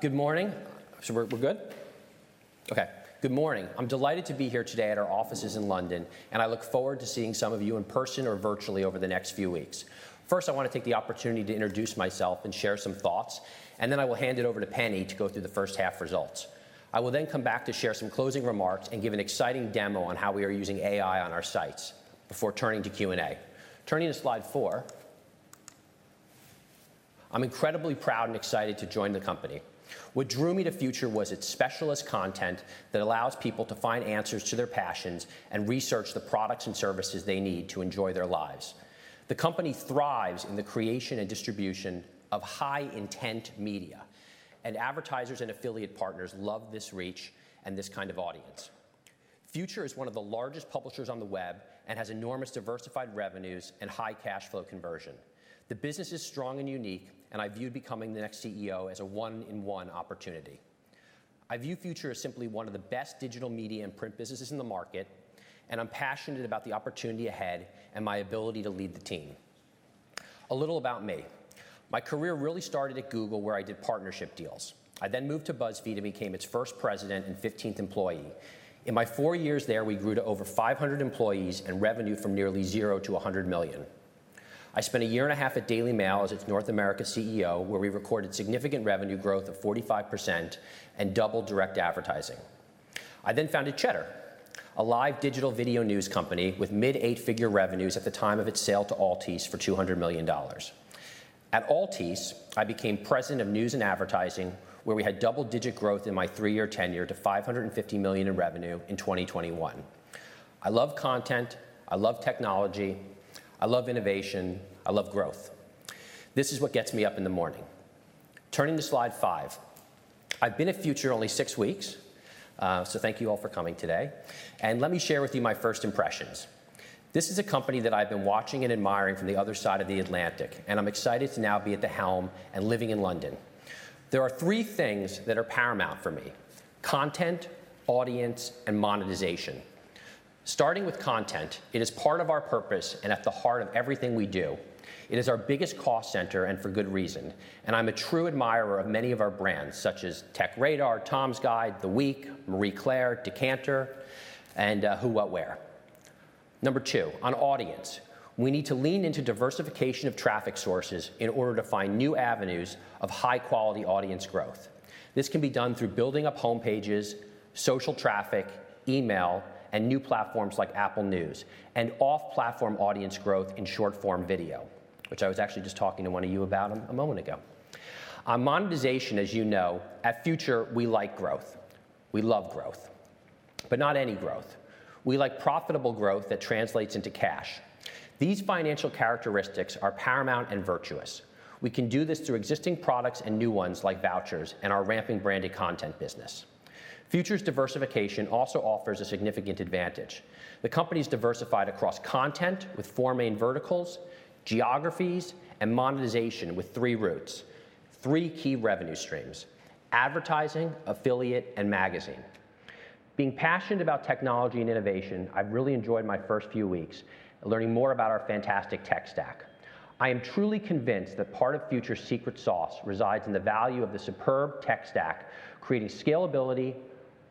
Good morning. We're, we're good? Okay. Good morning. I'm delighted to be here today at our offices in London, I look forward to seeing some of you in person or virtually over the next few weeks. First, I wanna take the opportunity to introduce myself and share some thoughts, I will hand it over to Penny to go through the H1 results. I will come back to share some closing remarks and give an exciting demo on how we are using AI on our sites before turning to Q&A. Turning to slide four. I'm incredibly proud and excited to join the company. What drew me to Future was its specialist content that allows people to find answers to their passions and research the products and services they need to enjoy their lives. The company thrives in the creation and distribution of high intent media, advertisers and affiliate partners love this reach and this kind of audience. Future is one of the largest publishers on the web and has enormous diversified revenues and high cash flow conversion. The business is strong and unique, I viewed becoming the next CEO as a one-in-one opportunity. I view Future as simply one of the best digital media and print businesses in the market, I'm passionate about the opportunity ahead and my ability to lead the team. A little about me. My career really started at Google where I did partnership deals. I moved to BuzzFeed and became its first president and fifteenth employee. In my four years there, we grew to over 500 employees and revenue from nearly $0 to $100 million. I spent a year and a half at Daily Mail as its North America CEO, where we recorded significant revenue growth of 45% and doubled direct advertising. I founded Cheddar, a live digital video news company with mid-eight-figure revenues at the time of its sale to Altice for $200 million. At Altice, I became president of news and advertising, where we had double-digit growth in my three-year tenure to $550 million in revenue in 2021. I love content, I love technology, I love innovation, I love growth. This is what gets me up in the morning. Turning to slide five. I've been at Future only six weeks, so thank you all for coming today, and let me share with you my first impressions. This is a company that I've been watching and admiring from the other side of the Atlantic, and I'm excited to now be at the helm and living in London. There are three things that are paramount for me: content, audience, and monetization. Starting with content, it is part of our purpose and at the heart of everything we do. It is our biggest cost center and for good reason, and I'm a true admirer of many of our brands such as TechRadar, Tom's Guide, The Week, Marie Claire, Decanter, and Who What Wear. Number two, on audience. We need to lean into diversification of traffic sources in order to find new avenues of high-quality audience growth. This can be done through building up home pages, social traffic, email, and new platforms like Apple News, and off-platform audience growth in short-form video, which I was actually just talking to one of you about a moment ago. On monetization, as you know, at Future, we like growth. We love growth, but not any growth. We like profitable growth that translates into cash. These financial characteristics are paramount and virtuous. We can do this through existing products and new ones like vouchers and our ramping branded content business. Future's diversification also offers a significant advantage. The company's diversified across content with four main verticals, geographies, and monetization with three routes. Three key revenue streams: advertising, affiliate, and magazine. Being passionate about technology and innovation, I've really enjoyed my first few weeks learning more about our fantastic tech stack. I am truly convinced that part of Future's secret sauce resides in the value of the superb tech stack, creating scalability,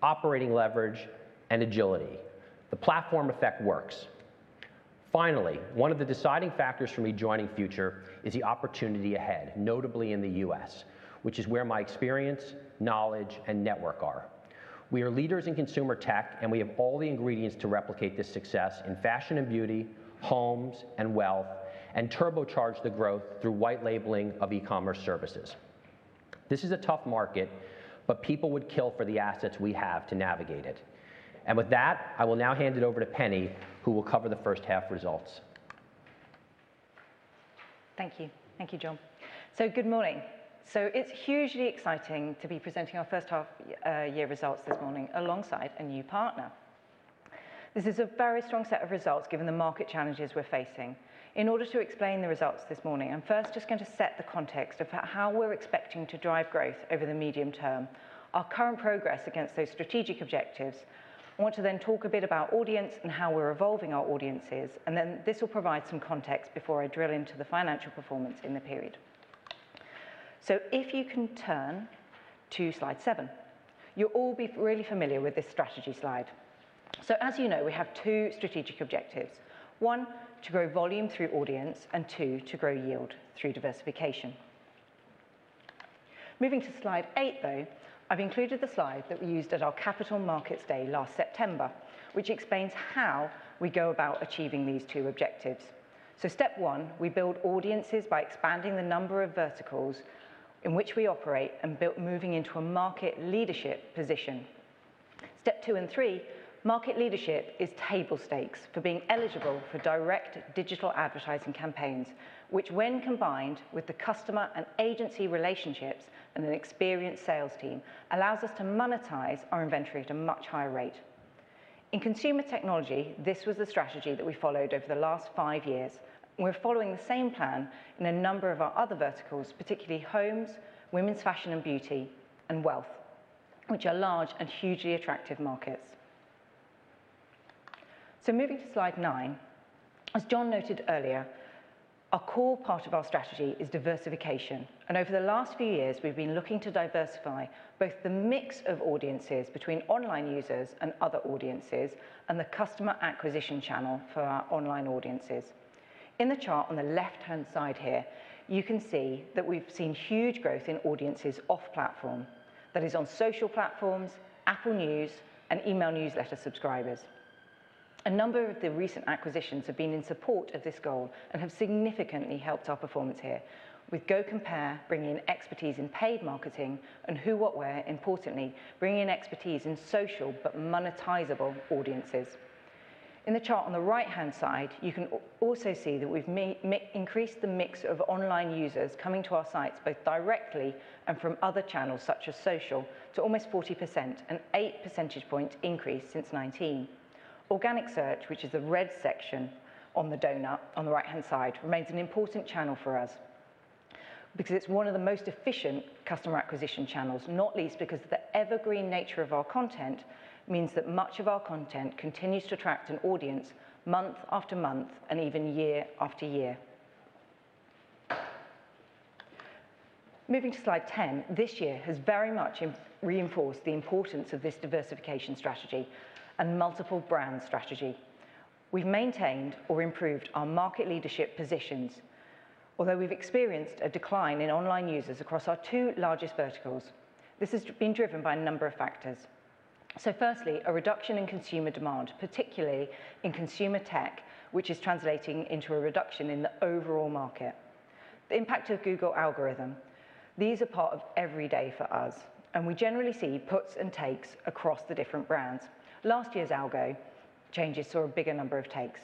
operating leverage, and agility. The platform effect works. One of the deciding factors for me joining Future is the opportunity ahead, notably in the U.S., which is where my experience, knowledge, and network are. We are leaders in consumer tech, and we have all the ingredients to replicate this success in fashion and beauty, homes and wealth, and turbocharge the growth through white labeling of e-commerce services. This is a tough market, but people would kill for the assets we have to navigate it. With that, I will now hand it over to Penny, who will cover the H1 results. Thank you. Thank you, John. Good morning. It's hugely exciting to be presenting our H1 year results this morning alongside a new partner. This is a very strong set of results given the market challenges we're facing. In order to explain the results this morning, I'm first just going to set the context of how we're expecting to drive growth over the medium term, our current progress against those strategic objectives. I want to talk a bit about audience and how we're evolving our audiences, and then this will provide some context before I drill into the financial performance in the period. If you can turn to slide seven. You'll all be really familiar with this strategy slide. As you know, we have two strategic objectives. one, to grow volume through audience, and two, to grow yield through diversification. Moving to slide eight, though, I've included the slide that we used at our Capital Markets Day last September, which explains how we go about achieving these two objectives. Step one, we build audiences by expanding the number of verticals in which we operate and moving into a market leadership position. Step two and three, market leadership is table stakes for being eligible for direct digital advertising campaigns, which when combined with the customer and agency relationships and an experienced sales team, allows us to monetize our inventory at a much higher rate. In consumer technology, this was the strategy that we followed over the last five years. We're following the same plan in a number of our other verticals, particularly homes, women's fashion and beauty, and wealth, which are large and hugely attractive markets. Moving to slide nine. As John noted earlier, a core part of our strategy is diversification. Over the last few years, we've been looking to diversify both the mix of audiences between online users and other audiences and the customer acquisition channel for our online audiences. In the chart on the left-hand side here, you can see that we've seen huge growth in audiences off platform, that is on social platforms, Apple News, and email newsletter subscribers. A number of the recent acquisitions have been in support of this goal and have significantly helped our performance here with GoCompare bringing in expertise in paid marketing and Who What Wear, importantly, bringing in expertise in social but monetizable audiences. In the chart on the right-hand side, you can also see that we've increased the mix of online users coming to our sites both directly and from other channels such as social to almost 40%, an 8 percentage point increase since 19. Organic search, which is the red section on the donut on the right-hand side, remains an important channel for us because it's one of the most efficient customer acquisition channels, not least because the evergreen nature of our content means that much of our content continues to attract an audience month after month and even year after year. Moving to slide 10, this year has very much reinforced the importance of this diversification strategy and multiple brand strategy. We've maintained or improved our market leadership positions. Although we've experienced a decline in online users across our two largest verticals, this has been driven by a number of factors. Firstly, a reduction in consumer demand, particularly in consumer tech, which is translating into a reduction in the overall market. The impact of Google algorithm. These are part of every day for us, and we generally see puts and takes across the different brands. Last year's algo changes saw a bigger number of takes.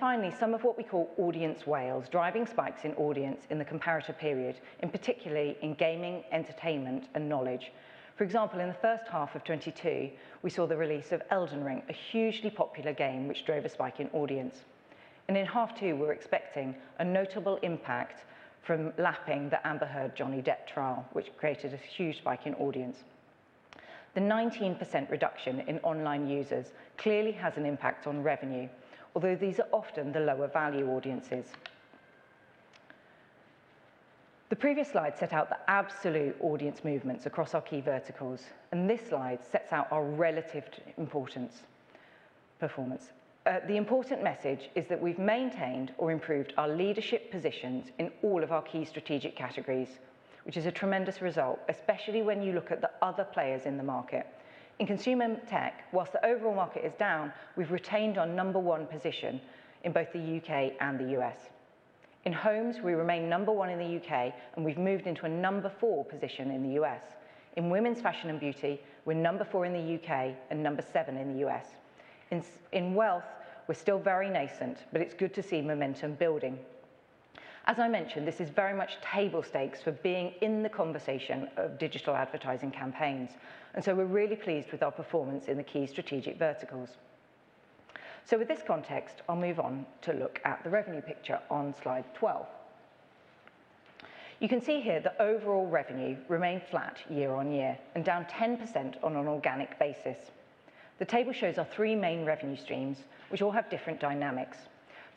Finally, some of what we call audience whales, driving spikes in audience in the comparator period, and particularly in gaming, entertainment, and knowledge. For example, in the H1 of 2022, we saw the release of Elden Ring, a hugely popular game which drove a spike in audience. In half two, we're expecting a notable impact from lapping the Amber Heard Johnny Depp trial, which created a huge spike in audience. The 19% reduction in online users clearly has an impact on revenue, although these are often the lower value audiences. The previous slide set out the absolute audience movements across our key verticals. This slide sets out our relative importance performance. The important message is that we've maintained or improved our leadership positions in all of our key strategic categories, which is a tremendous result, especially when you look at the other players in the market. In consumer tech, whilst the overall market is down, we've retained our number 1 position in both the U.K. and the U.S. In homes, we remain number one in the U.K., and we've moved into a number four position in the U.S. In women's fashion and beauty, we're number four in the UK and number seven in the US. In wealth, we're still very nascent, but it's good to see momentum building. We're really pleased with our performance in the key strategic verticals. With this context, I'll move on to look at the revenue picture on slide 12. You can see here the overall revenue remained flat year on year and down 10% on an organic basis. The table shows our three main revenue streams, which all have different dynamics.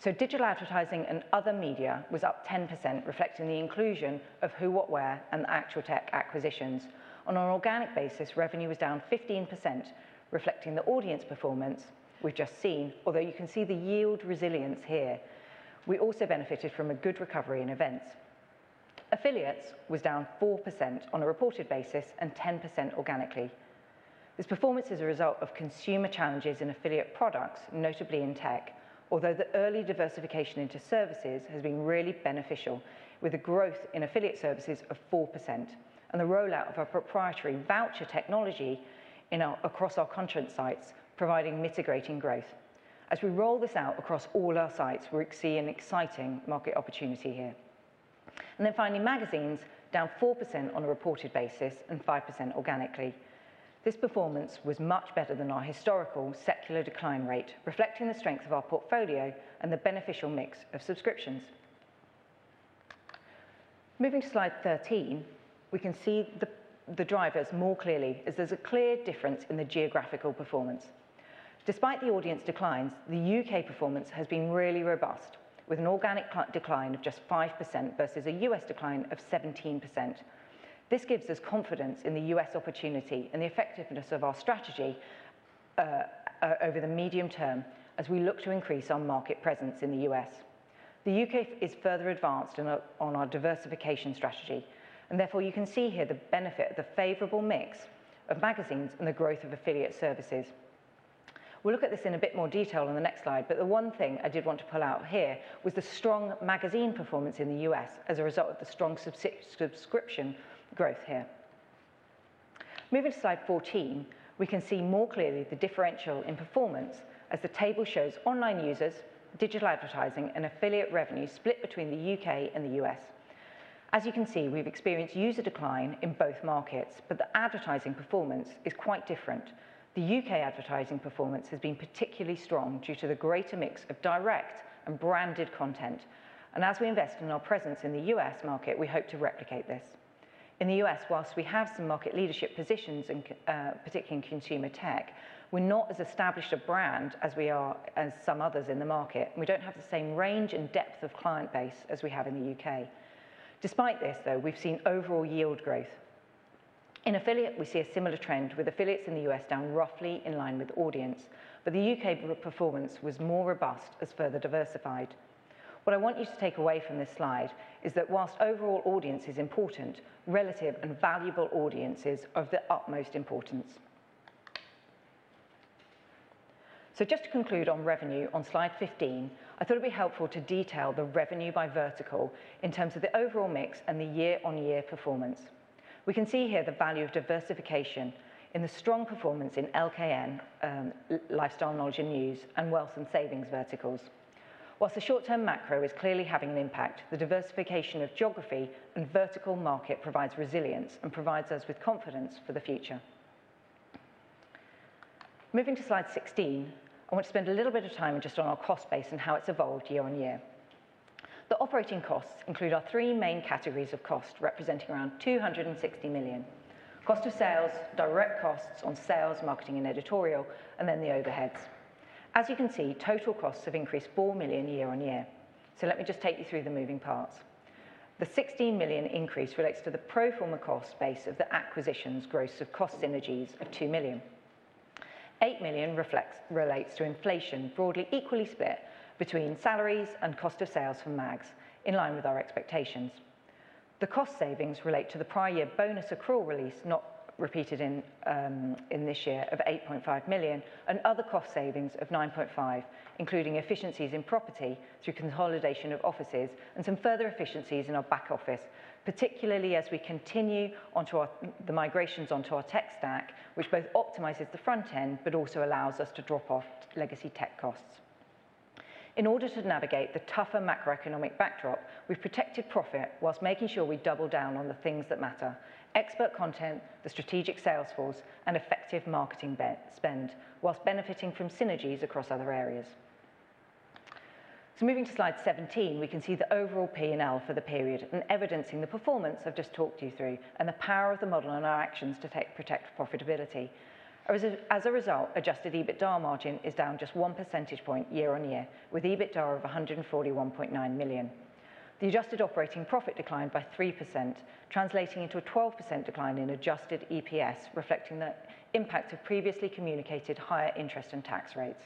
Digital advertising and other media was up 10%, reflecting the inclusion of Who What Wear and the ActualTech acquisitions. On an organic basis, revenue was down 15%, reflecting the audience performance we've just seen, although you can see the yield resilience here. We also benefited from a good recovery in events. Affiliates was down 4% on a reported basis and 10% organically. This performance is a result of consumer challenges in affiliate products, notably in tech, although the early diversification into services has been really beneficial with a growth in affiliate services of 4% and the rollout of our proprietary voucher technology across our content sites, providing mitigating growth. As we roll this out across all our sites, we're seeing an exciting market opportunity here. Finally, magazines down 4% on a reported basis and 5% organically. This performance was much better than our historical secular decline rate, reflecting the strength of our portfolio and the beneficial mix of subscriptions. Moving to slide 13, we can see the drivers more clearly as there's a clear difference in the geographical performance. Despite the audience declines, the U.K. performance has been really robust, with an organic decline of just 5% versus a U.S. decline of 17%. This gives us confidence in the U.S. opportunity and the effectiveness of our strategy over the medium term as we look to increase our market presence in the U.S. The U.K. is further advanced on our diversification strategy, and therefore, you can see here the benefit of the favorable mix of magazines and the growth of affiliate services. We'll look at this in a bit more detail on the next slide. The one thing I did want to pull out here was the strong subscription growth here. Moving to slide 14, we can see more clearly the differential in performance as the table shows online users, digital advertising, and affiliate revenue split between the U.K. and the U.S. As you can see, we've experienced user decline in both markets. The advertising performance is quite different. The U.K. advertising performance has been particularly strong due to the greater mix of direct and branded content. As we invest in our presence in the U.S. market, we hope to replicate this. In the U.S., whilst we have some market leadership positions in, particularly in consumer tech, we're not as established a brand as we are as some others in the market, and we don't have the same range and depth of client base as we have in the U.K. Despite this, though, we've seen overall yield growth. In affiliate, we see a similar trend with affiliates in the U.S. down roughly in line with audience. The U.K. performance was more robust as further diversified. What I want you to take away from this slide is that whilst overall audience is important, relative and valuable audience is of the utmost importance. Just to conclude on revenue on slide 15, I thought it'd be helpful to detail the revenue by vertical in terms of the overall mix and the year-on-year performance. We can see here the value of diversification in the strong performance in LKN, Lifestyle, Knowledge and News, and wealth and savings verticals. Whilst the short-term macro is clearly having an impact, the diversification of geography and vertical market provides resilience and provides us with confidence for the future. Moving to slide 16, I want to spend a little bit of time just on our cost base and how it's evolved year-on-year. The operating costs include our three main categories of cost, representing around 260 million. Cost of sales, direct costs on sales, marketing, and editorial, and then the overheads. As you can see, total costs have increased 4 million year-on-year. Let me just take you through the moving parts. The 16 million increase relates to the pro forma cost base of the acquisitions gross of cost synergies of 2 million. 8 million relates to inflation, broadly equally split between salaries and cost of sales from mags in line with our expectations. The cost savings relate to the prior year bonus accrual release, not repeated in this year of 8.5 million, and other cost savings of 9.5 million, including efficiencies in property through consolidation of offices and some further efficiencies in our back office, particularly as we continue the migrations onto our tech stack, which both optimizes the front end but also allows us to drop off legacy tech costs. In order to navigate the tougher macroeconomic backdrop, we've protected profit whilst making sure we double down on the things that matter: expert content, the strategic sales force, and effective marketing spend whilst benefiting from synergies across other areas. Moving to slide 17, we can see the overall P&L for the period and evidencing the performance I've just talked you through and the power of the model and our actions to protect profitability. As a result, adjusted EBITDA margin is down just 1 percentage point year-on-year, with EBITDA of 141.9 million. The adjusted operating profit declined by 3%, translating into a 12% decline in adjusted EPS, reflecting the impact of previously communicated higher interest and tax rates.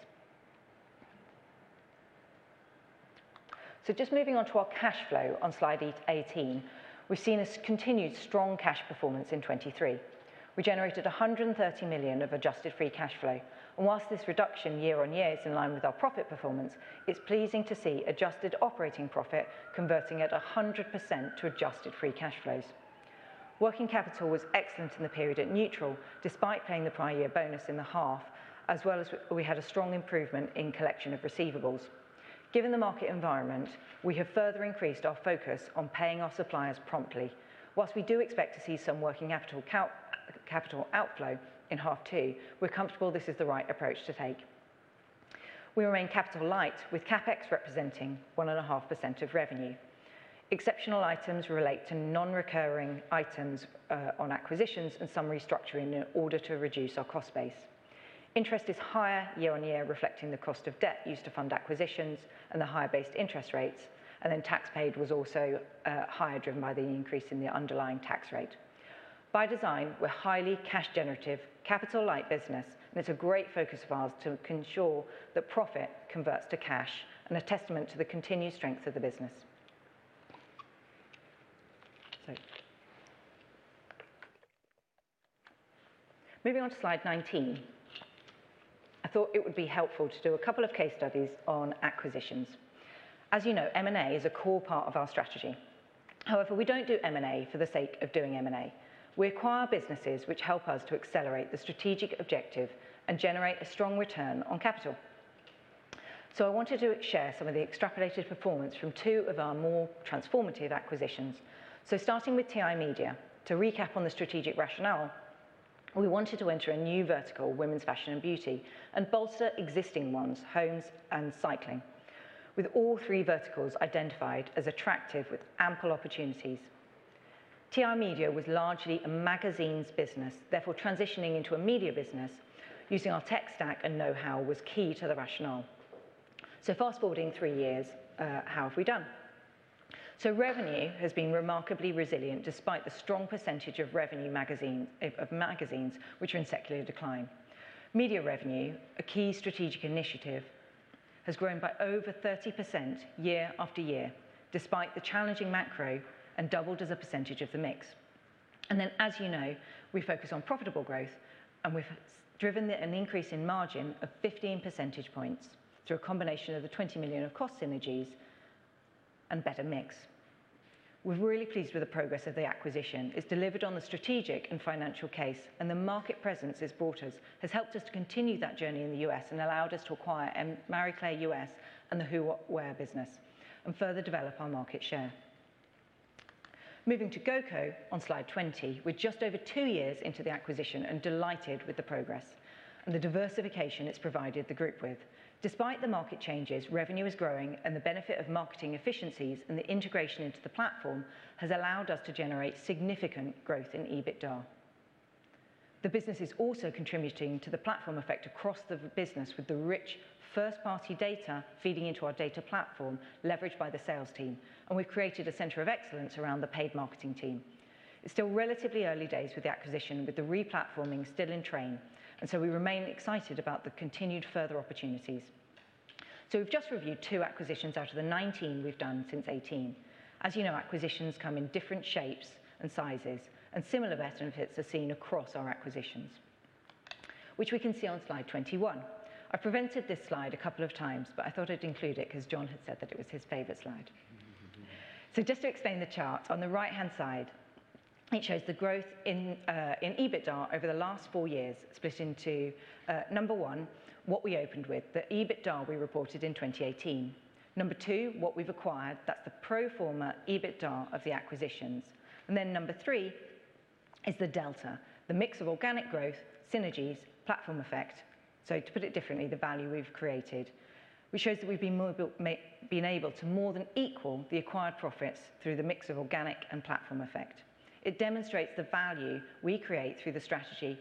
Just moving on to our cash flow on slide 18. We've seen a continued strong cash performance in 2023. We generated 130 millions of adjusted free cash flow. Whilst this reduction year-on-year is in line with our profit performance, it's pleasing to see adjusted operating profit converting at 100% to adjusted free cash flows. Working capital was excellent in the period at neutral, despite paying the prior year bonus in the half, as well as we had a strong improvement in collection of receivables. Given the market environment, we have further increased our focus on paying our suppliers promptly. Whilst we do expect to see some working capital outflow in H2, we're comfortable this is the right approach to take. We remain capital light with CapEx representing 1.5% of revenue. Exceptional items relate to non-recurring items on acquisitions and some restructuring in order to reduce our cost base. Interest is higher year-on-year, reflecting the cost of debt used to fund acquisitions and the higher-based interest rates. Tax paid was also higher driven by the increase in the underlying tax rate. By design, we're highly cash generative, capital-light business, and it's a great focus of ours to ensure that profit converts to cash and a testament to the continued strength of the business. Moving on to slide 19, I thought it would be helpful to do a couple of case studies on acquisitions. As you know, M&A is a core part of our strategy. However, we don't do M&A for the sake of doing M&A. We acquire businesses which help us to accelerate the strategic objective and generate a strong return on capital. I wanted to share some of the extrapolated performance from two of our more transformative acquisitions. Starting with TI Media. To recap on the strategic rationale, we wanted to enter a new vertical, women's fashion and beauty, and bolster existing ones, homes and cycling, with all three verticals identified as attractive with ample opportunities. TI Media was largely a magazines business, therefore transitioning into a media business using our tech stack and know-how was key to the rationale. Fast-forwarding three years, how have we done? Revenue has been remarkably resilient despite the strong percentage of revenue magazine of magazines which are in secular decline. Media revenue, a key strategic initiative, has grown by over 30% year after year, despite the challenging macro and doubled as a percentage of the mix. Then, as you know, we focus on profitable growth, and we've driven an increase in margin of 15 percentage points through a combination of the 20 million of cost synergies and better mix. We're really pleased with the progress of the acquisition. It's delivered on the strategic and financial case. The market presence it's brought us has helped us to continue that journey in the US and allowed us to acquire, Marie Claire US and the Who What Wear business and further develop our market share. Moving to GoCo on slide 20. We're just over two years into the acquisition and delighted with the progress and the diversification it's provided the group with. Despite the market changes, revenue is growing. The benefit of marketing efficiencies and the integration into the platform has allowed us to generate significant growth in EBITDA. The business is also contributing to the platform effect across the business with the rich first-party data feeding into our data platform leveraged by the sales team. We've created a center of excellence around the paid marketing team. It's still relatively early days with the acquisition, with the re-platforming still in train, we remain excited about the continued further opportunities. We've just reviewed two acquisitions out of the 19 we've done since 2018. As you know, acquisitions come in different shapes and sizes, similar benefits are seen across our acquisitions, which we can see on slide 21. I've presented this slide a couple of times; I thought I'd include it because John had said that it was his favorite slide. Just to explain the chart. On the right-hand side, it shows the growth in EBITDA over the last four years, split into number one, what we opened with, the EBITDA we reported in 2018. Number two, what we've acquired, that's the pro forma EBITDA of the acquisitions. Number three is the delta, the mix of organic growth, synergies, platform effect. To put it differently, the value we've created, which shows that we've been able to more than equal the acquired profits through the mix of organic and platform effect. It demonstrates the value we create through the strategy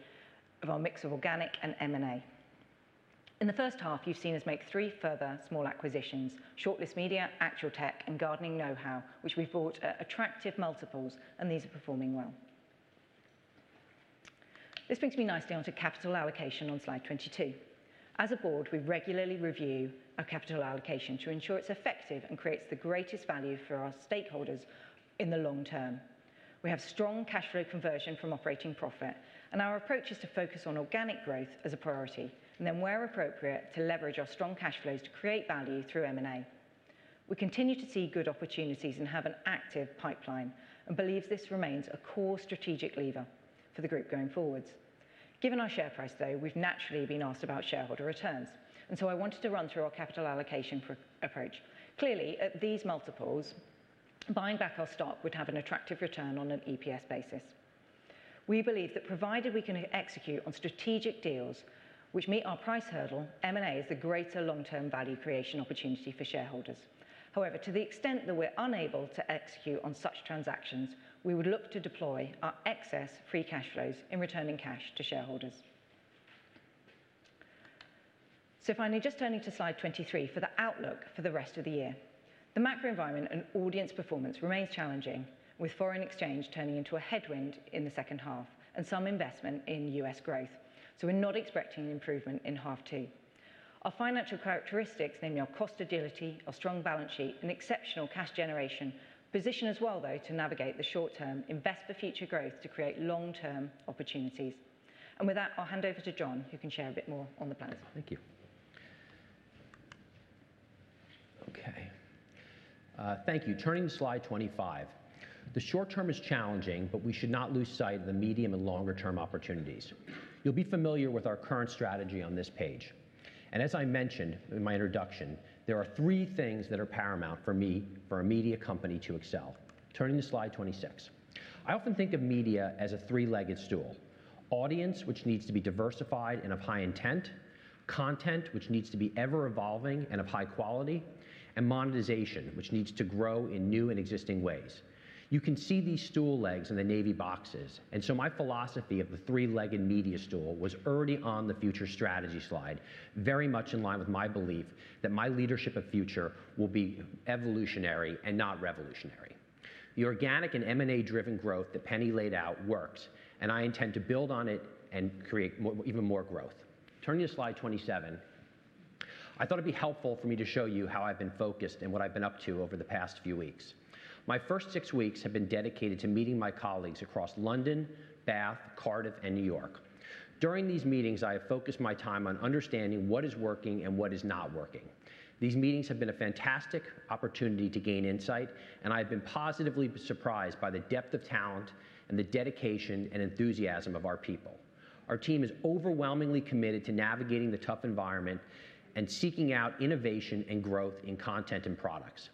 of our mix of organic and M&A. In the H1, you've seen us make three further small acquisitions, Shortlist Media, ActualTech, and Gardening Know-How, which we bought at attractive multiples, and these are performing well. This brings me nicely onto capital allocation on slide 22. As a board, we regularly review our capital allocation to ensure its effective and creates the greatest value for our stakeholders in the long term. We have strong cash flow conversion from operating profit, and our approach is to focus on organic growth as a priority, and then where appropriate, to leverage our strong cash flows to create value through M&A. We continue to see good opportunities and have an active pipeline and believe this remains a core strategic lever for the group going forwards. Given our share price, though, we've naturally been asked about shareholder returns, and so I wanted to run through our capital allocation approach. Clearly, at these multiples, buying back our stock would have an attractive return on an EPS basis. We believe that provided we can execute on strategic deals which meet our price hurdle, M&A is the greater long-term value creation opportunity for shareholders. However, to the extent that we're unable to execute on such transactions, we would look to deploy our excess free cash flows in returning cash to shareholders. Finally, just turning to slide 23 for the outlook for the rest of the year. The macro environment and audience performance remains challenging with foreign exchange turning into a headwind in the H2 and some investment in U.S. growth. We're not expecting an improvement in half two. Our financial characteristics, namely our cost agility, our strong balance sheet, and exceptional cash generation position us well, though, to navigate the short term, invest for future growth to create long-term opportunities. With that, I'll hand over to John, who can share a bit more on the plans. Thank you. Okay. Thank you. Turning to slide 25. The short term is challenging, but we should not lose sight of the medium and longer-term opportunities. You'll be familiar with our current strategy on this page, and as I mentioned in my introduction, there are three things that are paramount for me for a media company to excel. Turning to slide 26. I often think of media as a three-legged stool. Audience, which needs to be diversified and of high intent. Content, which needs to be ever-evolving and of high quality. Monetization, which needs to grow in new and existing ways. You can see these stool legs in the navy boxes. My philosophy of the three-legged media stool was already on the Future strategy slide, very much in line with my belief that my leadership of Future will be evolutionary and not revolutionary. The organic and M&A-driven growth that Penny laid out works. I intend to build on it and create even more growth. Turning to slide 27. I thought it'd be helpful for me to show you how I've been focused and what I've been up to over the past few weeks. My first six weeks have been dedicated to meeting my colleagues across London, Bath, Cardiff, and New York. During these meetings, I have focused my time on understanding what is working and what is not working. These meetings have been a fantastic opportunity to gain insight. I've been positively surprised by the depth of talent and the dedication and enthusiasm of our people. Our team is overwhelmingly committed to navigating the tough environment and seeking out innovation and growth in content and products.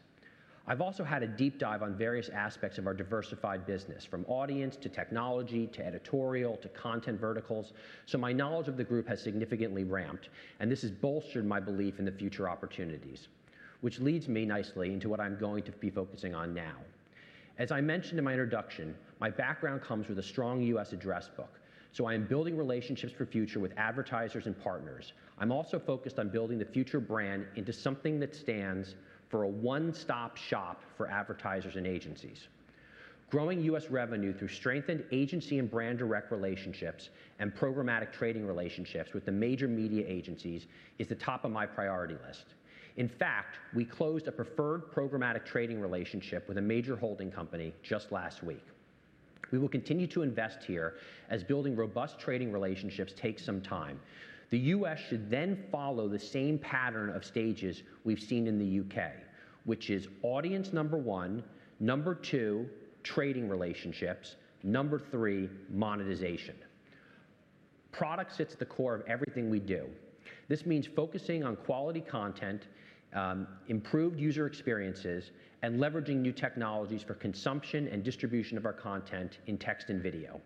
I've also had a deep dive on various aspects of our diversified business, from audience to technology to editorial to content verticals. My knowledge of the group has significantly ramped. This has bolstered my belief in the Future opportunities, which leads me nicely into what I'm going to be focusing on now. As I mentioned in my introduction, my background comes with a strong US address book. I am building relationships for Future with advertisers and partners. I'm also focused on building the Future brand into something that stands for a one-stop shop for advertisers and agencies. Growing US revenue through strengthened agency and brand direct relationships and programmatic trading relationships with the major media agencies is the top of my priority list. In fact, we closed a preferred programmatic trading relationship with a major holding company just last week. We will continue to invest here as building robust trading relationships takes some time. The US should follow the same pattern of stages we've seen in the UK, which is audience, number one; number two, trading relationships; number three, monetization. Product sits at the core of everything we do. This means focusing on quality content, improved user experiences, and leveraging new technologies for consumption and distribution of our content in text and video.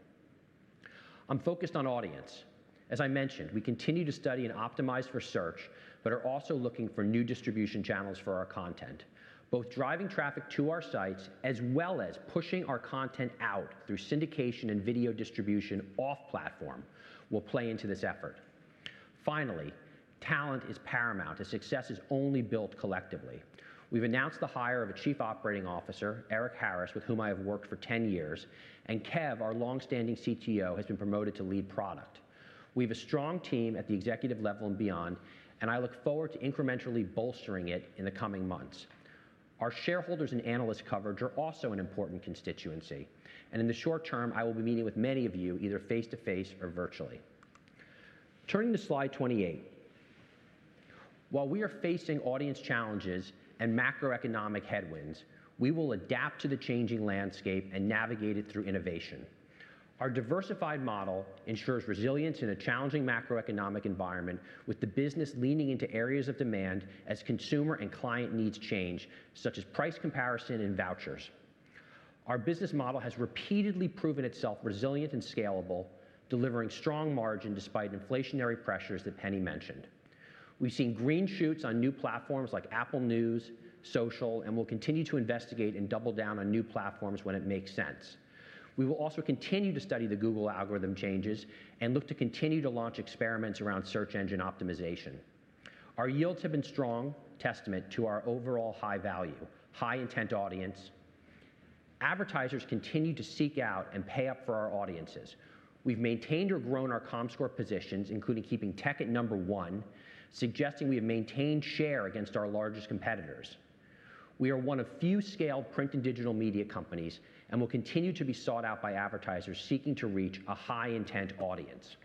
I'm focused on audience. As I mentioned, we continue to study and optimize for search, are also looking for new distribution channels for our content, both driving traffic to our sites as well as pushing our content out through syndication and video distribution off platform will play into this effort. Finally, talent is paramount as success is only built collectively. We've announced the hire of a Chief Operating Officer, Eric Harris, with whom I have worked for 10 years. Kev, our long-standing CTO, has been promoted to lead product. We have a strong team at the executive level and beyond. I look forward to incrementally bolstering it in the coming months. Our shareholders and analyst coverage are also an important constituency. In the short term, I will be meeting with many of you either face-to-face or virtually. Turning to slide 28. While we are facing audience challenges and macroeconomic headwinds, we will adapt to the changing landscape and navigate it through innovation. Our diversified model ensures resilience in a challenging macroeconomic environment with the business leaning into areas of demand as consumer and client needs change, such as price comparison and vouchers. Our business model has repeatedly proven itself resilient and scalable, delivering strong margin despite inflationary pressures that Penny mentioned. We've seen green shoots on new platforms like Apple News, social, and we'll continue to investigate and double down on new platforms when it makes sense. We will also continue to study the Google algorithm changes and look to continue to launch experiments around search engine optimization. Our yields have been strong, testament to our overall high value, high intent audience. Advertisers continue to seek out and pay up for our audiences. We've maintained or grown our Comscore positions, including keeping tech at number one, suggesting we have maintained share against our largest competitors. We are one of few scaled print and digital media companies and will continue to be sought out by advertisers seeking to reach a high intent audience.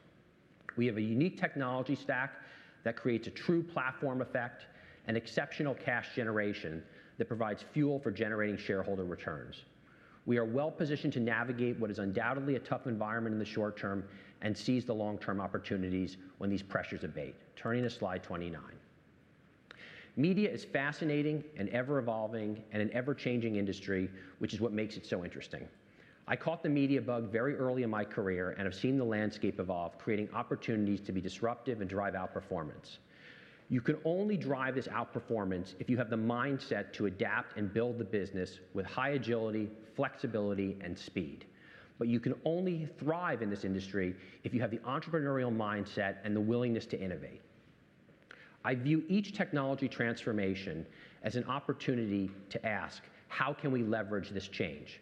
We have a unique technology stack that creates a true platform effect and exceptional cash generation that provides fuel for generating shareholder returns. We are well-positioned to navigate what is undoubtedly a tough environment in the short term and seize the long-term opportunities when these pressures abate. Turning to slide 29. Media is fascinating and ever-evolving and an ever-changing industry, which is what makes it so interesting. I caught the media bug very early in my career, and I've seen the landscape evolve, creating opportunities to be disruptive and drive outperformance. You can only drive this outperformance if you have the mindset to adapt and build the business with high agility, flexibility, and speed. You can only thrive in this industry if you have the entrepreneurial mindset and the willingness to innovate. I view each technology transformation as an opportunity to ask, how can we leverage this change?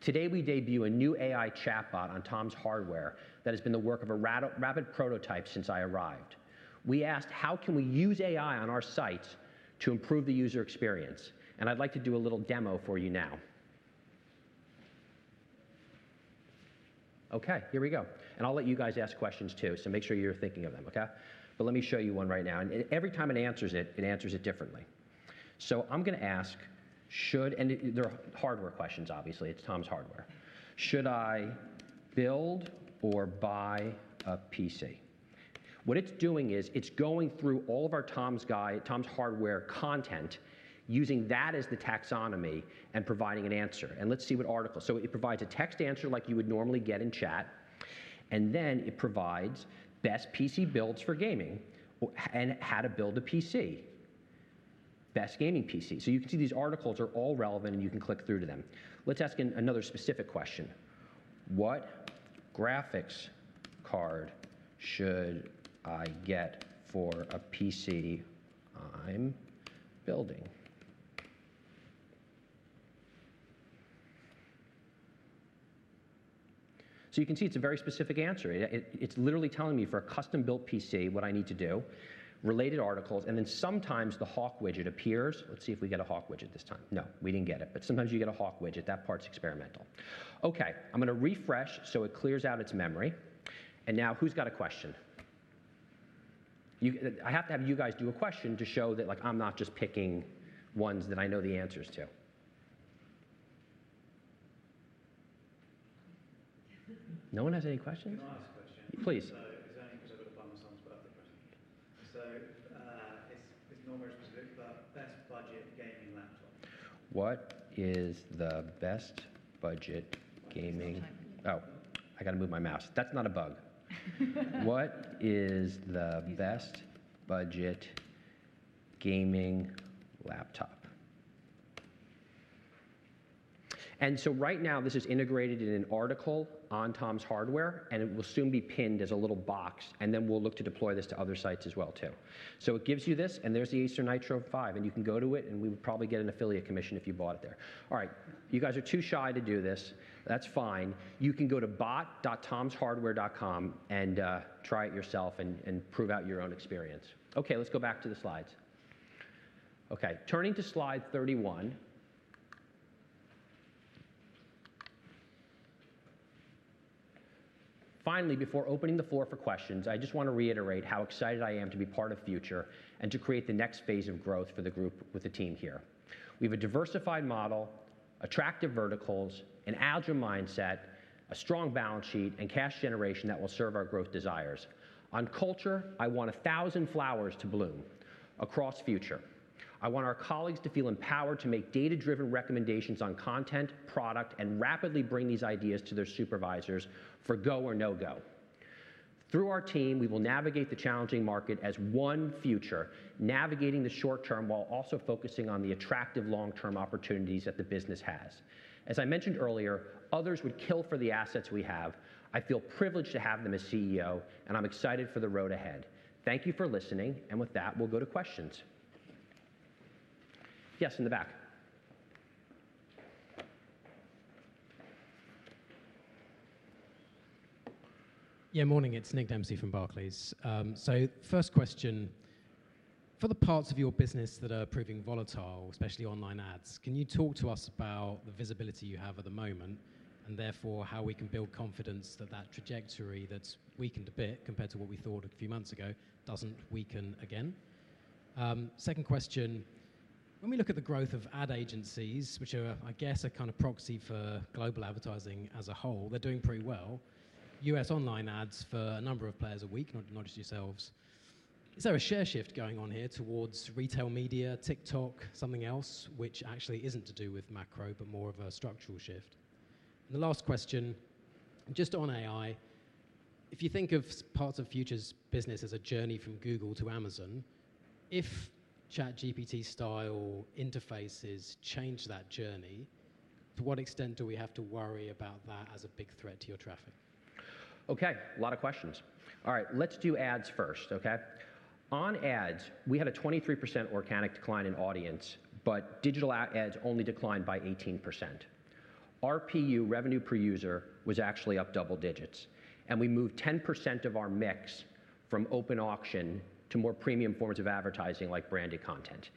Today, we debut a new AI chatbot on Tom's Hardware that has been the work of a rapid prototype since I arrived. We asked, how can we use AI on our sites to improve the user experience? I'd like to do a little demo for you now. Okay, here we go. I'll let you guys ask questions, too, so make sure you're thinking of them. Okay? But let me show you one right now. Every time it answers it answers it differently. I'm gonna ask, should... They're hardware questions, obviously. It's Tom's Hardware. Should I build or buy a PC? What it's doing is it's going through all of our Tom's Guide, Tom's Hardware content using that as the taxonomy and providing an answer. Let's see what articles. It provides a text answer like you would normally get in chat, it provides best PC builds for gaming or how to build a PC. Best gaming PC. You can see these articles are all relevant, and you can click through to them. Let's ask another specific question. What graphics card should I get for a PC I'm building? You can see it's a very specific answer. It's literally telling me for a custom-built PC, what I need to do, related articles, and then sometimes the Hawk widget appears. Let's see if we get a Hawk widget this time. No, we didn't get it, sometimes you get a Hawk widget. That part's experimental. I'm gonna refresh, it clears out its memory, who's got a question? I have to have you guys do a question to show that, like, I'm not just picking ones that I know the answers to. No one has any questions? Can I ask a question? Please. It's only 'cause I've got to find my son's birthday present. It's not very specific, but best budget gaming laptop. What is the best budget gaming? It's timing you. Oh, I gotta move my mouse. That's not a bug. What is the best budget gaming laptop? Right now this is integrated in an article on Tom's Hardware, and it will soon be pinned as a little box, and then we'll look to deploy this to other sites as well too. It gives you this, and there's the Acer Nitro 5, and you can go to it, and we would probably get an affiliate commission if you bought it there. All right, you guys are too shy to do this. That's fine. You can go to bot.tomshardware.com and try it yourself and prove out your own experience. Let's go back to the slides. Turning to slide 31. Finally, before opening the floor for questions, I just wanna reiterate how excited I am to be part of Future and to create the next phase of growth for the group with the team here. We have a diversified model, attractive verticals, an agile mindset, a strong balance sheet, and cash generation that will serve our growth desires. On culture, I want 1,000 flowers to bloom across Future. I want our colleagues to feel empowered to make data-driven recommendations on content, product, and rapidly bring these ideas to their supervisors for go or no-go. Through our team, we will navigate the challenging market as one Future, navigating the short term while also focusing on the attractive long-term opportunities that the business has. As I mentioned earlier, others would kill for the assets we have. I feel privileged to have them as CEO, and I'm excited for the road ahead. Thank you for listening. With that, we'll go to questions. Yes, in the back. Yeah, morning. It's Nick Dempsey from Barclays. First question, for the parts of your business that are proving volatile, especially online ads, can you talk to us about the visibility you have at the moment, and therefore how we can build confidence that that trajectory that's weakened a bit compared to what we thought a few months ago doesn't weaken again? Second question, when we look at the growth of ad agencies, which are, I guess, a kind of proxy for global advertising as a whole, they're doing pretty well. U.S. online ads for a number of players are weak, not just yourselves. Is there a share shift going on here towards retail media, TikTok, something else, which actually isn't to do with macro, but more of a structural shift? The last question, just on AI, if you think of parts of Future's business as a journey from Google to Amazon, if ChatGPT-style interfaces change that journey, to what extent do we have to worry about that as a big threat to your traffic? Okay, a lot of questions. All right, let's do ads first, okay? On ads, we had a 23% organic decline in audience, but digital ads only declined by 18%. RPU, revenue per user, was actually up double digits, and we moved 10% of our mix from open auction to more premium forms of advertising like branded content.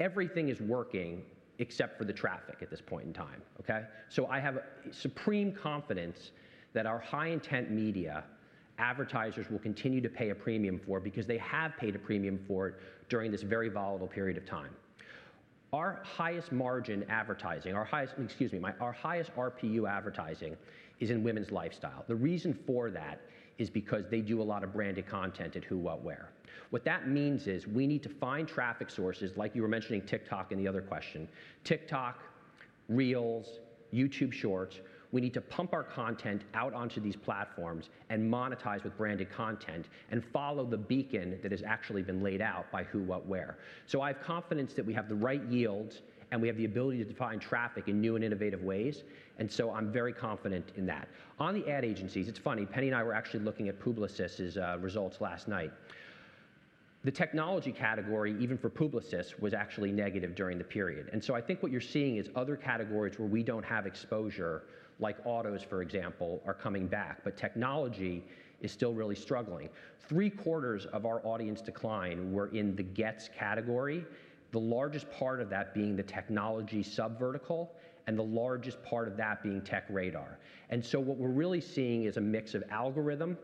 Everything is working except for the traffic at this point in time, okay? I have supreme confidence that our high-intent media advertisers will continue to pay a premium for it because they have paid a premium for it during this very volatile period of time. Excuse me. Our highest RPU advertising is in women's lifestyle. The reason for that is because they do a lot of branded content at Who What Wear. What that means is we need to find traffic sources, like you were mentioning TikTok in the other question, TikTok, Reels, YouTube Shorts. We need to pump our content out onto these platforms and monetize with branded content and follow the beacon that has actually been laid out by Who What Wear. I have confidence that we have the right yields and we have the ability to define traffic in new and innovative ways. I'm very confident in that. On the ad agencies, it's funny, Penny and I were actually looking at Publicis's results last night. The technology category, even for Publicis, was actually negative during the period. I think what you're seeing is other categories where we don't have exposure, like autos, for example, are coming back. Technology is still really struggling. Three-quarters of our audience decline were in the uncertain, the largest part of that being the technology sub-vertical, and the largest part of that being TechRadar. What we're really seeing is a mix of algorithm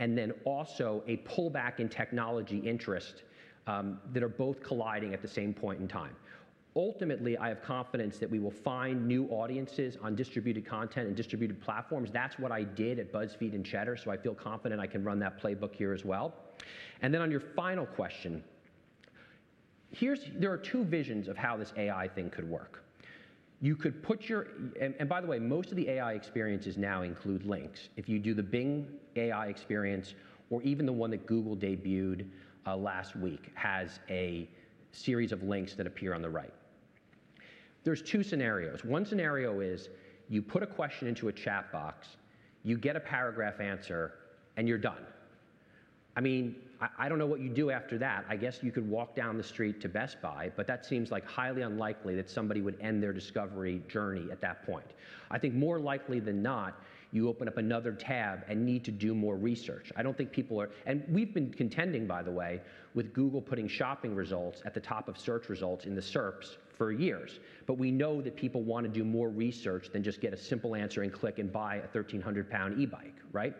and then also a pullback in technology interest, that are both colliding at the same point in time. Ultimately, I have confidence that we will find new audiences on distributed content and distributed platforms. That's what I did at BuzzFeed and Cheddar, so I feel confident I can run that playbook here as well. On your final question, there are two visions of how this AI thing could work. You could put your. And by the way, most of the AI experiences now include links. If you do the Bing AI experience, or even the one that Google debuted last week, has a series of links that appear on the right. There are two scenarios. One scenario is you put a question into a chat box, you get a paragraph answer, and you're done. I mean, I don't know what you do after that. I guess you could walk down the street to Best Buy, but that seems, like, highly unlikely that somebody would end their discovery journey at that point. I think more likely than not, you open up another tab and need to do more research. I don't think people are... We've been contending, by the way, with Google putting shopping results at the top of search results in the SERPs for years. We know that people wanna do more research than just get a simple answer and click and buy a 1,300 pound e-bike, right?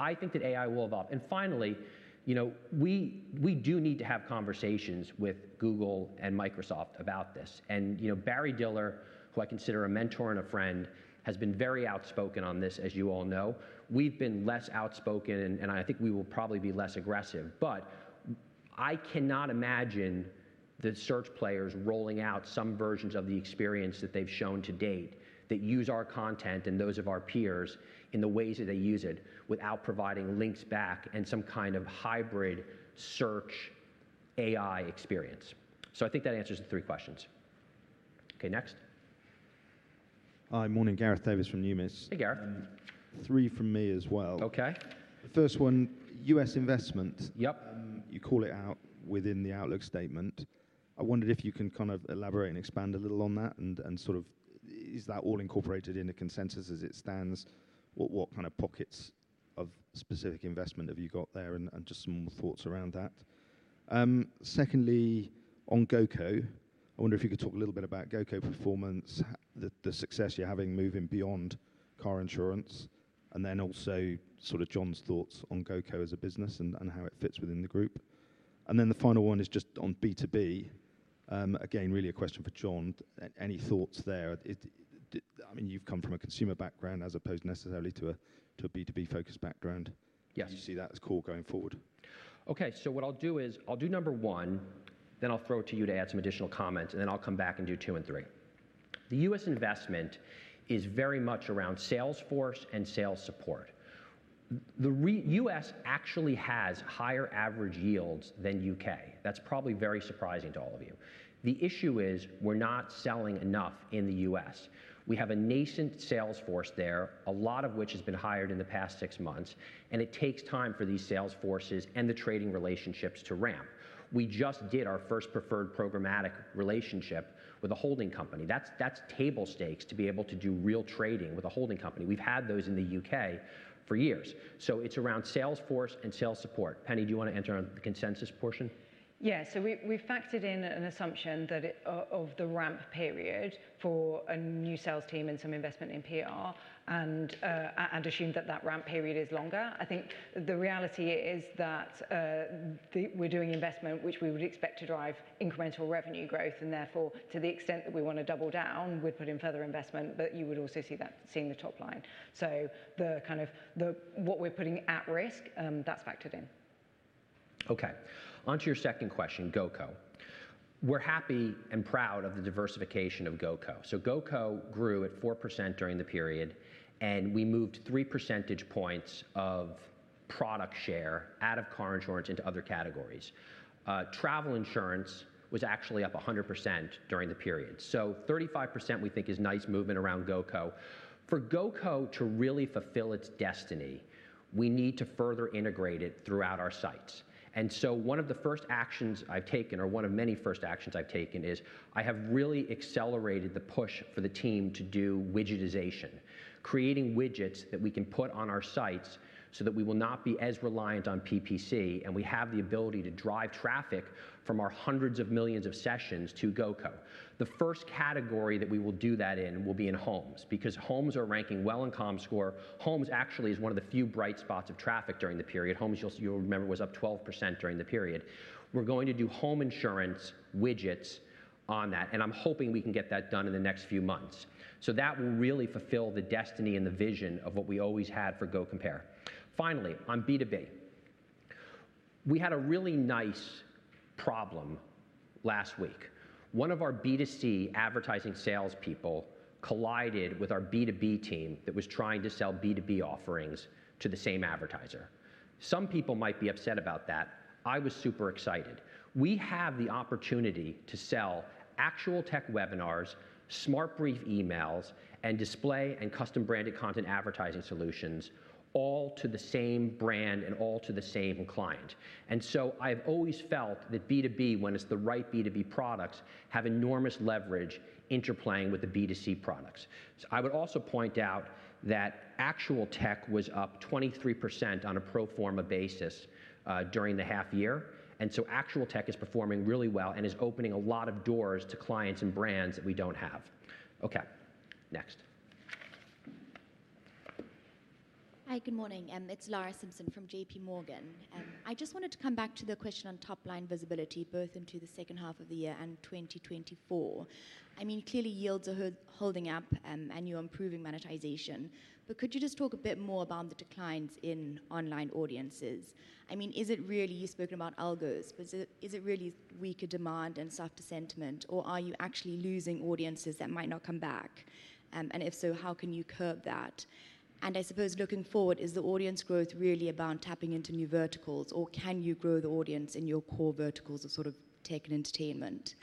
I think that AI will evolve. Finally, you know, we do need to have conversations with Google and Microsoft about this. You know, Barry Diller, who I consider a mentor and a friend, has been very outspoken on this, as you all know. We've been less outspoken and I think we will probably be less aggressive. I cannot imagine the search players rolling out some versions of the experience that they've shown to date that use our content and those of our peers in the ways that they use it without providing links back and some kind of hybrid search AI experience. I think that answers the three questions. Okay, next. Hi. Morning. Gareth Davies from Numis. Hey, Gareth. Three from me as well. Okay. First one, U.S. investment. Yep. You call it out within the outlook statement. I wondered if you can kind of elaborate and expand a little on that and sort of is that all incorporated in the consensus as it stands? What, what kind of pockets of specific investment have you got there, and just some thoughts around that. Secondly, on GoCo, I wonder if you could talk a little bit about GoCo performance, the success you're having moving beyond car insurance, and then also sort of John's thoughts on GoCo as a business and how it fits within the group. The final one is just on B2B. Again, really a question for John. Any thoughts there? I mean, you've come from a consumer background as opposed necessarily to a, to a B2B-focused background. Yes. Do you see that as core going forward? Okay. What I'll do is I'll do number 1, then I'll throw it to you to add some additional comments, and then I'll come back and do two and three. The U.S. investment is very much around sales force and sales support. The U.S. actually has higher average yields than U.K. That's probably very surprising to all of you. The issue is we're not selling enough in the U.S. We have a nascent sales force there, a lot of which has been hired in the past six months, and it takes time for these sales forces and the trading relationships to ramp. We just did our first preferred programmatic relationship with a holding company. That's table stakes to be able to do real trading with a holding company. We've had those in the U.K. for years. It's around sales force and sales support. Penny, do you want to enter on the consensus portion? Yeah. We've factored in an assumption that of the ramp period for a new sales team and some investment in PR and assumed that that ramp period is longer. I think the reality is that we're doing investment which we would expect to drive incremental revenue growth and therefore to the extent that we want to double down, we'd put in further investment, but you would also see that seen in the top line. The kind of what we're putting at risk, that's factored in. Okay. Onto your second question, GoCo. We're happy and proud of the diversification of GoCo. GoCo grew at 4% during the period, and we moved 3 percentage points of product share out of car insurance into other categories. Travel insurance was actually up 100% during the period. 35% we think is nice movement around GoCo. For GoCo to really fulfill its destiny, we need to further integrate it throughout our sites. One of the first actions I've taken or one of many first actions I've taken is I have really accelerated the push for the team to do widgetization, creating widgets that we can put on our sites so that we will not be as reliant on PPC, and we have the ability to drive traffic from our hundreds of millions of sessions to GoCo. The first category that we will do that in will be in homes because homes are ranking well in Comscore. Homes actually is one of the few bright spots of traffic during the period. Homes, you'll remember, was up 12% during the period. We're going to do home insurance widgets on that, and I'm hoping we can get that done in the next few months. That will really fulfill the destiny and the vision of what we always had for GoCompare. Finally, on B2B. We had a really nice problem last week. One of our B2C advertising salespeople collided with our B2B team that was trying to sell B2B offerings to the same advertiser. Some people might be upset about that. I was super excited. We have the opportunity to sell ActualTech webinars, SmartBrief emails, and display and custom branded content advertising solutions all to the same brand and all to the same client. I've always felt that B2B, when it's the right B2B products, have enormous leverage interplaying with the B2C products. I would also point out that ActualTech was up 23% on a pro forma basis during the half year. ActualTech is performing really well and is opening a lot of doors to clients and brands that we don't have. Okay, next. Hi, good morning. It's Lara Simpson from J.P. Morgan. I just wanted to come back to the question on top-line visibility, both into the H2 of the year and 2024. I mean, clearly yields are holding up, and you're improving monetization. Could you just talk a bit more about the declines in online audiences? I mean, is it really you've spoken about algos, but is it really weaker demand and softer sentiment, or are you actually losing audiences that might not come back? And if so, how can you curb that? I suppose looking forward, is the audience growth really about tapping into new verticals, or can you grow the audience in your core verticals of sort of tech and entertainment?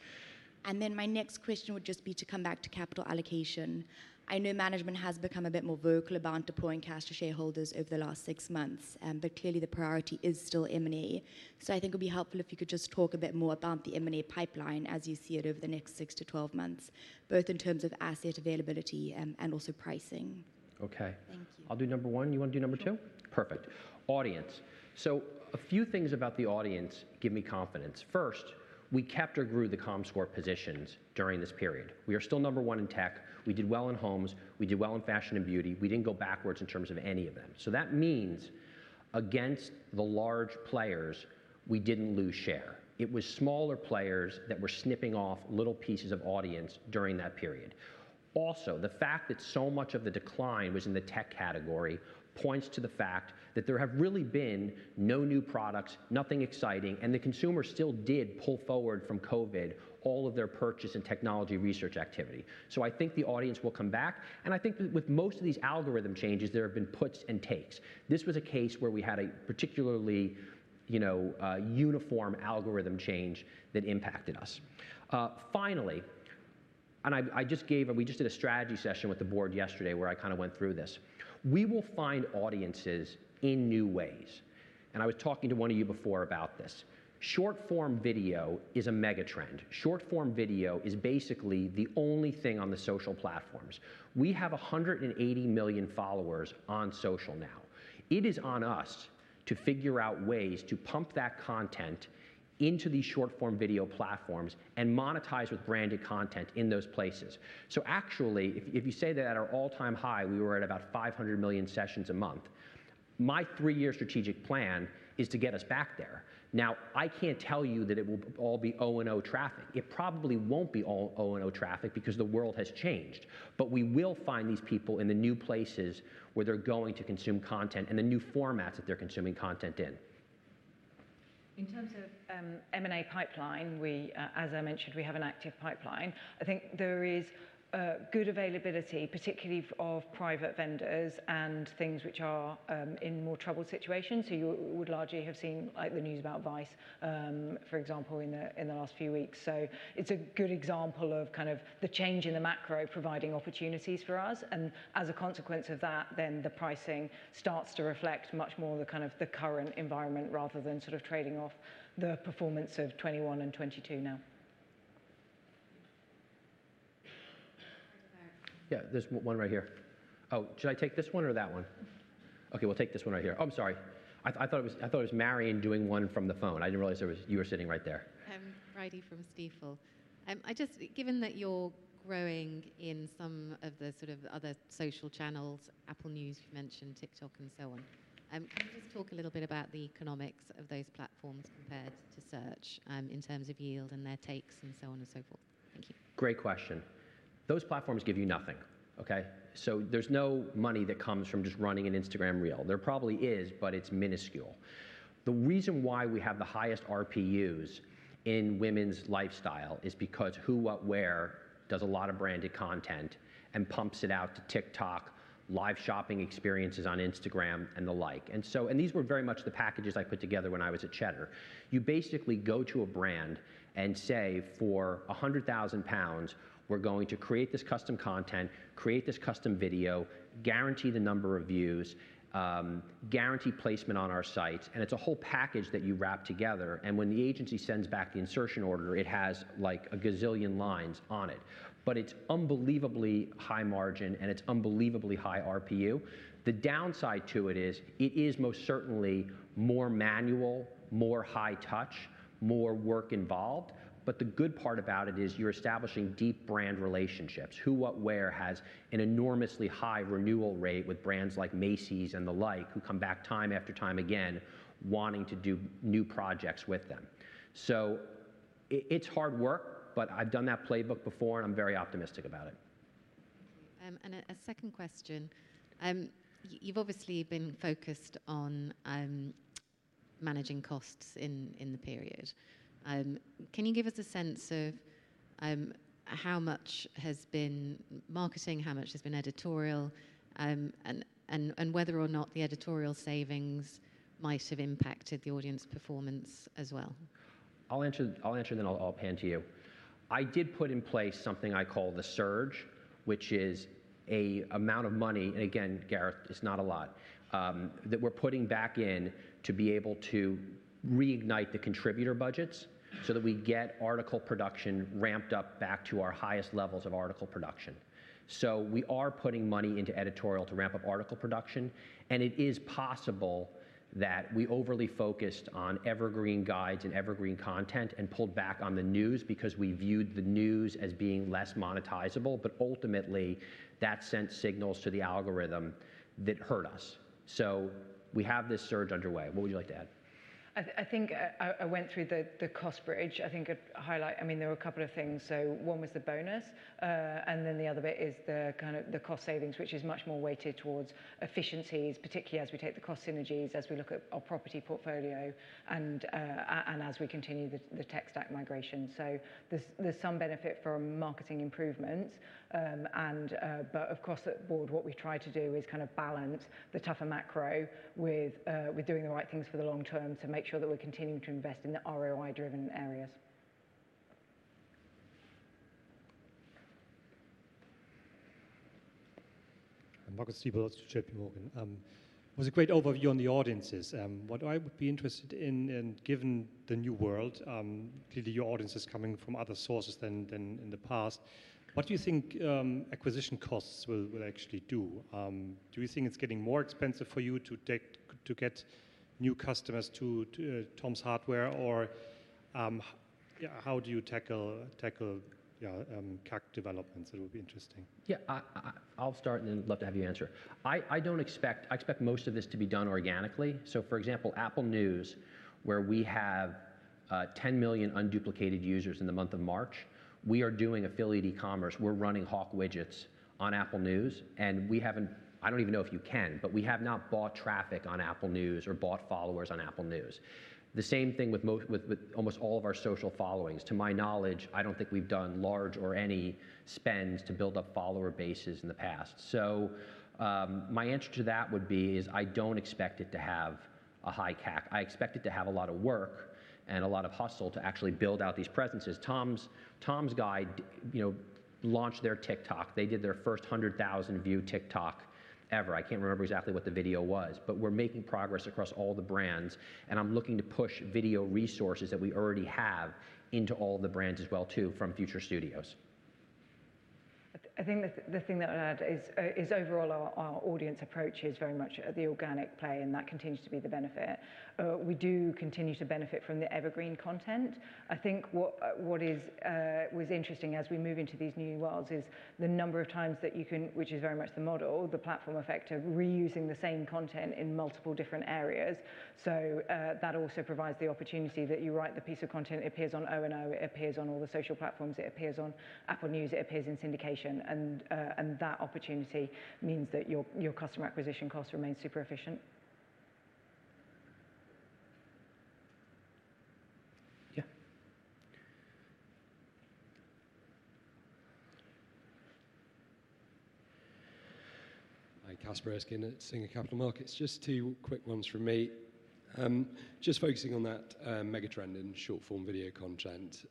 My next question would just be to come back to capital allocation. I know management has become a bit more vocal about deploying cash to shareholders over the last 6 months. Clearly the priority is still M&A. I think it'd be helpful if you could just talk a bit more about the M&A pipeline as you see it over the next six to 12 months, both in terms of asset availability and also pricing. Okay. Thank you. I'll do number one. You wanna do number two? Sure. Perfect. Audience. A few things about the audience give me confidence. First, we kept or grew the Comscore positions during this period. We are still number one in tech. We did well in homes. We did well in fashion and beauty. We didn't go backwards in terms of any of them. That means against the large players, we didn't lose share. It was smaller players that were snipping off little pieces of audience during that period. The fact that so much of the decline was in the tech category points to the fact that there have really been no new products, nothing exciting, and the consumer still did pull forward from COVID all of their purchase and technology research activity. I think the audience will come back, and I think with most of these algorithm changes, there have been puts and takes. This was a case where we had a particularly, you know, uniform algorithm change that impacted us. Finally, and we just did a strategy session with the board yesterday where I kinda went through this. We will find audiences in new ways, and I was talking to one of you before about this. Short-form video is a mega trend. Short-form video is basically the only thing on the social platforms. We have 180 million followers on social now. It is on us to figure out ways to pump that content into these short-form video platforms and monetize with branded content in those places. Actually, if you say that at our all-time high, we were at about 500 million sessions a month, my three-year strategic plan is to get us back there. I can't tell you that it will all be O&O traffic. It probably won't be all O&O traffic because the world has changed. We will find these people in the new places where they're going to consume content and the new formats that they're consuming content in. In terms of M&A pipeline, we, as I mentioned, we have an active pipeline. I think there is good availability, particularly of private vendors and things which are in more troubled situations. You would largely have seen, like, the news about Vice, for example, in the last few weeks. It's a good example of kind of the change in the macro providing opportunities for us, and as a consequence of that, then the pricing starts to reflect much more the kind of the current environment rather than sort of trading off the performance of 21 and 22 now. Yeah, there's one right here. Oh, should I take this one or that one? Okay, we'll take this one right here. Oh, I'm sorry. I thought it was Marion doing one from the phone. I didn't realize you were sitting right there. Friday from Stifel. Given that you're growing in some of the sort of other social channels, Apple News you've mentioned, TikTok, and so on, can you just talk a little bit about the economics of those platforms compared to search, in terms of yield and their takes and so on and so forth? Thank you. Great question. Those platforms give you nothing, okay? There's no money that comes from just running an Instagram Reel. There probably is, but it's minuscule. The reason why we have the highest RPUs in women's lifestyle is because Who What Wear does a lot of branded content and pumps it out to TikTok, live shopping experiences on Instagram, and the like. These were very much the packages I put together when I was at Cheddar. You basically go to a brand and say, "For 100,000 pounds, we're going to create this custom content, create this custom video, guarantee the number of views, guarantee placement on our sites." It's a whole package that you wrap together, and when the agency sends back the insertion order, it has, like, a gazillion lines on it. It's unbelievably high margin, and it's unbelievably high RPU. The downside to it is, it is most certainly more manual, more high touch, more work involved. The good part about it is you're establishing deep brand relationships. Who What Wear has an enormously high renewal rate with brands like Macy's and the like, who come back time after time again wanting to do new projects with them. It's hard work, but I've done that playbook before, and I'm very optimistic about it. A second question. You've obviously been focused on managing costs in the period. Can you give us a sense of how much has been marketing, how much has been editorial, and whether or not the editorial savings might have impacted the audience performance as well? I'll answer, then I'll pan to you. I did put in place something I call the surge, which is a amount of money, and again, Gareth Davies, it's not a lot, that we're putting back in to be able to reignite the contributor budgets so that we get article production ramped up back to our highest levels of article production. We are putting money into editorial to ramp up article production, and it is possible that we overly focused on evergreen guides and evergreen content and pulled back on the news because we viewed the news as being less monetizable. Ultimately, that sent signals to the algorithm that hurt us. We have this surge underway. What would you like to add? I think I went through the cost bridge. I mean, there were a couple of things. One was the bonus, the other bit is the kind of the cost savings, which is much more weighted towards efficiencies, particularly as we take the cost synergies, as we look at our property portfolio and as we continue the tech stack migration. There's some benefit from marketing improvements, across the board, what we try to do is kind of balance the tougher macro with doing the right things for the long term to make sure that we're continuing to invest in the ROI-driven areas. I'm Marcus Diebel with J.P. Morgan. It was a great overview on the audiences. What I would be interested in, and given the new world, clearly your audience is coming from other sources than in the past, what do you think acquisition costs will actually do? Do you think it's getting more expensive for you to get new customers to Tom's Hardware? How do you tackle CAC developments? It would be interesting. I'll start and then love to have you answer. I don't expect most of this to be done organically. For example, Apple News, where we have 10 million unduplicated users in the month of March, we are doing affiliate e-commerce. We're running Hawk widgets on Apple News, and I don't even know if you can, but we have not bought traffic on Apple News or bought followers on Apple News. The same thing with almost all of our social followings. To my knowledge, I don't think we've done large or any spends to build up follower bases in the past. My answer to that would be is I don't expect it to have a high CAC. I expect it to have a lot of work and a lot of hustle to actually build out these presences. Tom's Guide, you know, launched their TikTok. They did their first 100,000 view TikTok ever. I can't remember exactly what the video was, but we're making progress across all the brands, and I'm looking to push video resources that we already have into all the brands as well too, from Future Studios. I think the thing that I'd add is overall our audience approach is very much the organic play, that continues to be the benefit. We do continue to benefit from the evergreen content. I think what is interesting as we move into these new worlds is the number of times that you can, which is very much the model, the platform effect of reusing the same content in multiple different areas. That also provides the opportunity that you write the piece of content, it appears on O&O, it appears on all the social platforms, it appears on Apple News, it appears in syndication. That opportunity means that your customer acquisition costs remain super efficient. Yeah. Hi, Casper Erskine at Singer Capital Markets. Just two quick ones from me. Just focusing on that mega trend in short-form video content.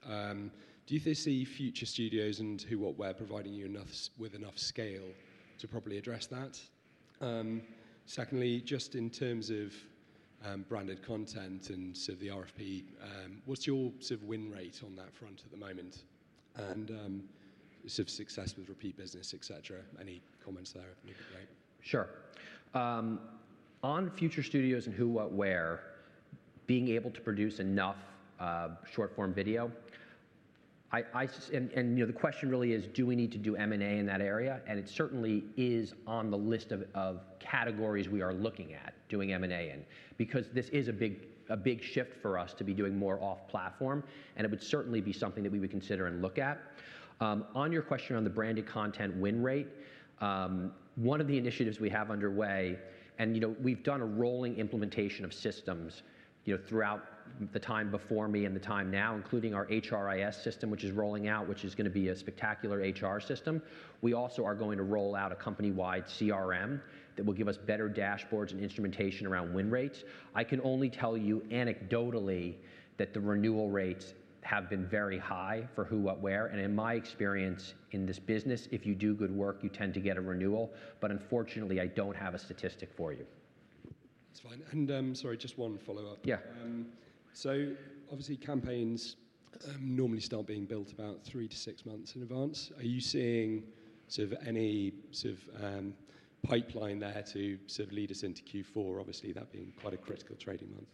Do you foresee Future Studios and Who What Wear providing you with enough scale to properly address that? Secondly, just in terms of branded content and sort of the RFP, what's your sort of win rate on that front at the moment? Sort of success with repeat business, et cetera. Any comments there would be great. Sure. On Future Studios and Who What Wear being able to produce enough short-form video, you know, the question really is do we need to do M&A in that area? It certainly is on the list of categories we are looking at doing M&A in, because this is a big shift for us to be doing more off-platform, and it would certainly be something that we would consider and look at. On your question on the branded content win rate, one of the initiatives we have underway and, you know, we've done a rolling implementation of systems, you know, throughout the time before me and the time now, including our HRIS system, which is rolling out, which is gonna be a spectacular HR system. We also are going to roll out a company-wide CRM that will give us better dashboards and instrumentation around win rates. I can only tell you anecdotally that the renewal rates have been very high for Who What Wear, and in my experience in this business, if you do good work, you tend to get a renewal. Unfortunately, I don't have a statistic for you. That's fine. Sorry, just one follow-up. Yeah. Obviously, campaigns normally start being built about three to six months in advance. Are you seeing sort of any sort of pipeline there to sort of lead us into Q4, obviously that being quite a critical trading month?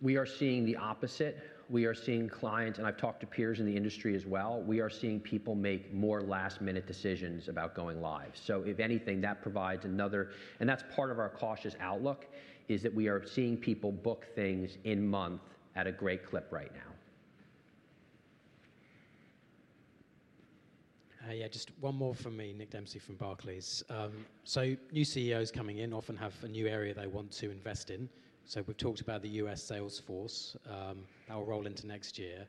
We are seeing the opposite. We are seeing clients, and I've talked to peers in the industry as well, we are seeing people make more last-minute decisions about going live. If anything, that provides another. That's part of our cautious outlook, is that we are seeing people book things in month at a great clip right now. Yeah, just one more from me. Nick Dempsey from Barclays. New CEOs coming in often have a new area they want to invest in. We've talked about the US sales force that will roll into next year.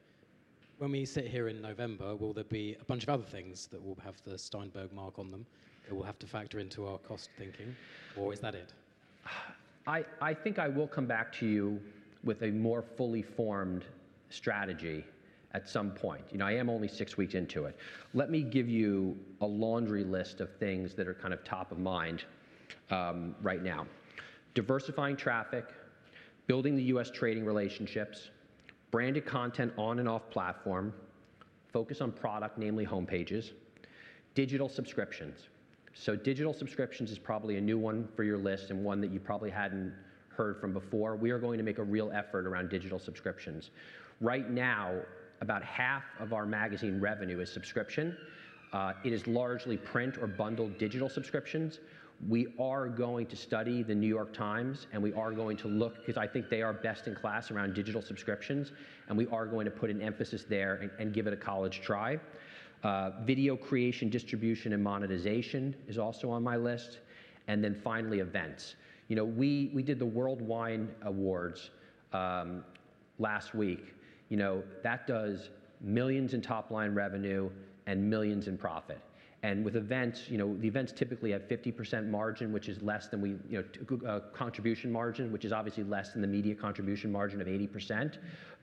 When we sit here in November, will there be a bunch of other things that will have the Steinberg mark on them that we'll have to factor into our cost thinking? Or is that it? I think I will come back to you with a more fully formed strategy at some point. You know, I am only six weeks into it. Let me give you a laundry list of things that are kind of top of mind right now. Diversifying traffic, building the US trading relationships, branded content on and off platform, focus on product, namely homepages, digital subscriptions. Digital subscriptions is probably a new one for your list and one that you probably hadn't heard from before. We are going to make a real effort around digital subscriptions. Right now, about half of our magazine revenue is subscription. It is largely print or bundled digital subscriptions. We are going to study The New York Times. We are going to look, 'cause I think they are best in class around digital subscriptions. We are going to put an emphasis there and give it a college try. Video creation, distribution, and monetization is also on my list. Finally, events. You know, we did the World Wine Awards last week. You know, that does millions in top-line revenue and millions in profit. With events, you know, the events typically have 50% margin, which is less than we, you know, contribution margin, which is obviously less than the media contribution margin of 80%,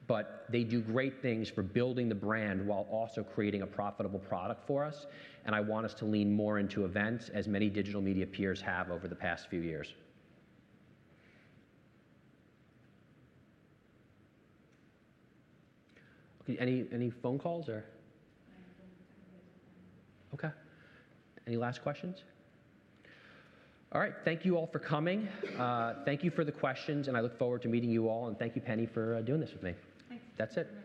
but they do great things for building the brand while also creating a profitable product for us, and I want us to lean more into events as many digital media peers have over the past few years. Any, any phone calls or- I don't think there's any. Okay. Any last questions? All right. Thank you all for coming. Thank you for the questions, and I look forward to meeting you all. Thank you, Penny, for doing this with me. Thanks. That's it. Thank you very much.